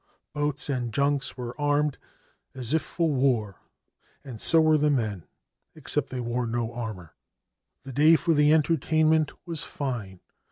Boats and junks were armed as if for war, and sc were the men — except that they wore no armour. The day for the entertainment was fine.